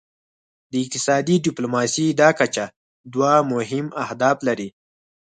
د اقتصادي ډیپلوماسي دا کچه دوه مهم اهداف لري